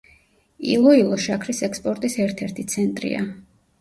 ილოილო შაქრის ექსპორტის ერთ-ერთი ცენტრია.